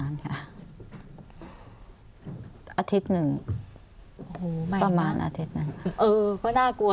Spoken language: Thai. อาทิตย์หนึ่งประมาณอาทิตย์นั้นค่ะ